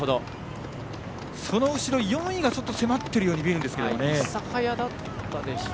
その後ろ、４位が迫ってるように見えるんですけどね。